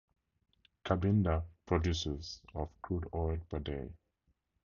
Cabinda produces of crude oil per day.